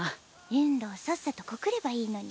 遠藤さっさと告ればいいのに。